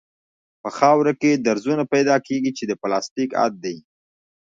په خاوره کې درزونه پیدا کیږي چې د پلاستیک حد دی